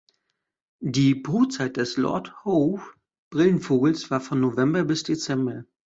Die Brutzeit des Lord-Howe-Brillenvogels war von November bis Dezember.